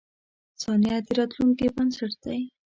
• ثانیه د راتلونکې بنسټ دی.